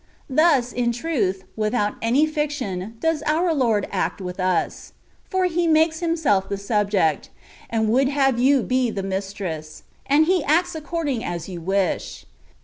Thus, in truth, without any fiction, does our Lord act with us ; for He makes Himself the subject, and would have you be the mistress,* and He acts according as you wish.